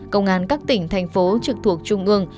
công an các tỉnh thành phố trực thuộc trung ương